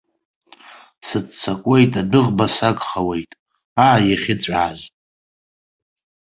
Сыццакуеит, адәыӷба сагхауеит, аа иахьыҵәааз.